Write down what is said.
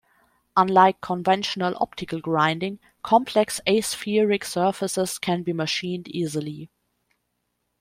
Unlike conventional optical grinding, complex aspheric surfaces can be machined easily.